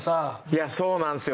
いやそうなんですよ。